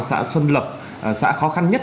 xã xuân lập xã khó khăn nhất